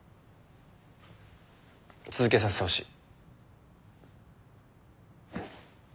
続けさせてほしい。